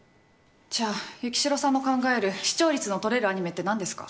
じゃあ、行城さんの考える視聴率の取れるアニメってなんですか？